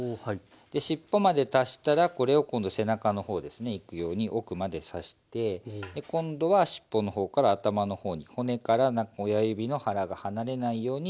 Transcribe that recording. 尻尾まで達したらこれを今度背中の方ですねいくように奥まで差して今度は尻尾の方から頭の方に骨から親指の腹が離れないように動かしていきますと。